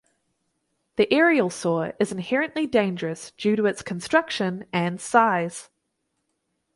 The aerial saw is inherently dangerous due to its construction and size.